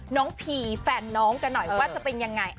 พีแฟนน้องกันหน่อยว่าจะเป็นยังไง